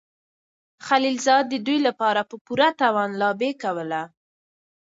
خلیلزاد د دوی لپاره په پوره توان لابي کوله.